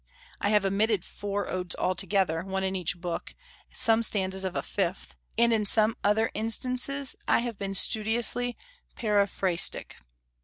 I have omitted four Odes altogether, one in each Book, and some stanzas of a fifth; and in some other instances I have been studiously paraphrastic.